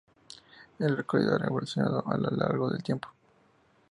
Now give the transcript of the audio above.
El recorrido ha evolucionado a lo largo del tiempo.